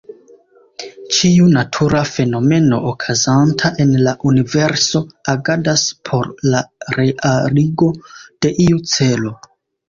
Ĉiu natura fenomeno okazanta en la universo agadas por la realigo de iu celo.